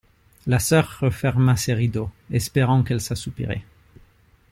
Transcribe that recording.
La soeur referma ses rideaux, espérant qu'elle s'assoupirait.